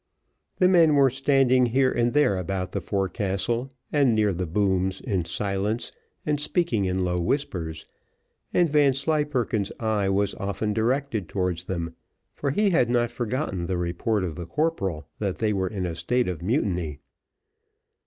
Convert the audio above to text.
The men were standing here and there about the forecastle and near the booms in silence and speaking in low whispers, and Vanslyperken's eye was often directed towards them, for he had not forgotten the report of the corporal, that they were in a state of mutiny.